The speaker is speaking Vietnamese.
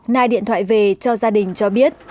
nai điện thoại về cho gia đình cho biết